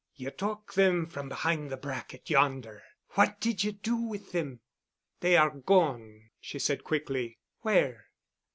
"You took them from behind the bracket yonder. What did you do with them?" "They are gone," she said quickly. "Where?"